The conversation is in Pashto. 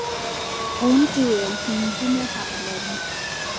ښوونکي وویل چې نجونې حق لري.